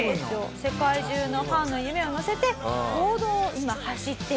世界中のファンの夢をのせて公道を今走っているという事なので。